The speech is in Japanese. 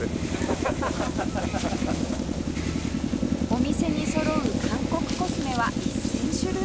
お店にそろう韓国コスメは１０００種類以上